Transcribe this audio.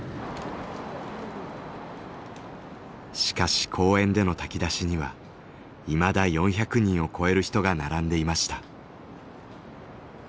しかし公園での炊き出しにはいまだ４００人を超える人が並んでいました。